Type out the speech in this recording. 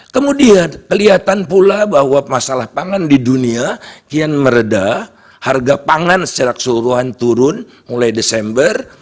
kemudian kelihatan pula bahwa masalah pangan di dunia kian meredah harga pangan secara keseluruhan turun mulai desember